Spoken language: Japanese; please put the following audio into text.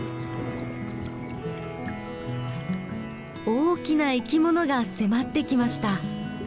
大きな生きものが迫ってきました。